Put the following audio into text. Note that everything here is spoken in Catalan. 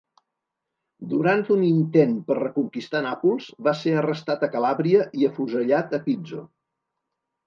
Durant un intent per reconquistar Nàpols, va ser arrestat a Calàbria i afusellat a Pizzo.